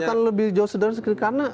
akan lebih jauh sederhana